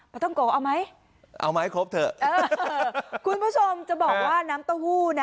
ท่องโกเอาไหมเอาไหมครบเถอะเออคุณผู้ชมจะบอกว่าน้ำเต้าหู้นะ